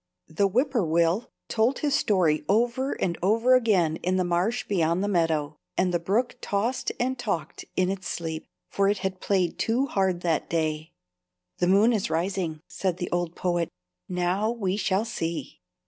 The whip poor will told his story over and over again in the marsh beyond the meadow, and the brook tossed and talked in its sleep, for it had played too hard that day. "The moon is rising," said the old poet. "Now we shall see."